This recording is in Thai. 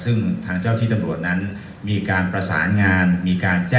ซึ่งทางเจ้าที่ตำรวจนั้นมีการประสานงานมีการแจ้ง